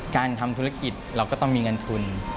การทำธุรกิจเราก็ต้องมีเงินทุน